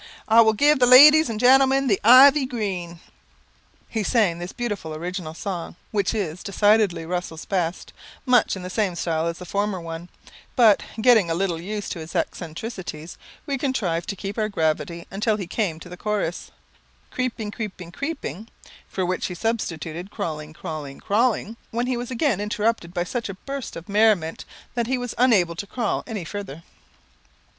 I will give the ladies and gentlemen the 'Ivy Green.'" He sang this beautiful original song, which is decidedly Russell's best, much in the same style as the former one, but, getting a little used to his eccentricities, we contrived to keep our gravity until he came to the chorus, "Creeping, creeping, creeping," for which he substituted, "crawling, crawling, crawling," when he was again interrupted by such a burst of merriment that he was unable to crawl any further.